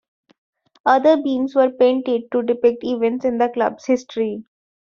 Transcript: Other beams were painted to depict events in the club's history.